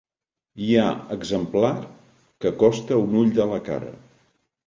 Hi ha exemplar que costa un ull de la cara.